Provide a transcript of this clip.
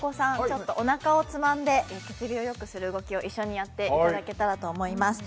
ちょっとおなかをつまんで血流をよくする動きを一緒にやっていただけたらと思います